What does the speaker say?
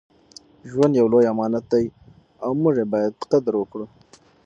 ژوند یو لوی امانت دی او موږ یې باید قدر وکړو.